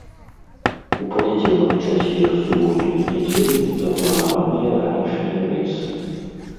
У панядзелак, чацвер, суботу і нядзелю запланаваныя ранішнія рэйсы.